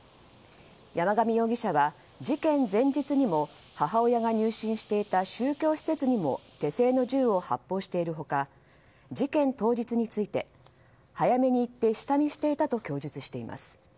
山上容疑者は事件前日にも母親が入信していた宗教施設にも手製の銃を発砲している他事件当日について早めに行って下見していたと供述しています。